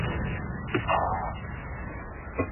کار کول د ذهن په ترتیب پورې تړلي دي.